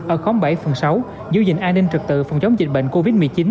ở khóm bảy phường sáu giữ gìn an ninh trực tự phòng chống dịch bệnh covid một mươi chín